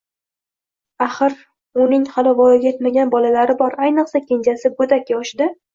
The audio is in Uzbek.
Axir uning hali voyaga yetmagan bolalari bor, ayniqsa kenjasi goʻdak yoshida